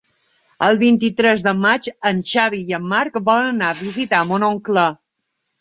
El vint-i-tres de maig en Xavi i en Marc volen anar a visitar mon oncle.